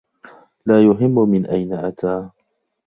لا يهمّ من أين أتى.